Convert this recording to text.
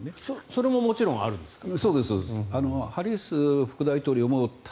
それももちろんあるんですか？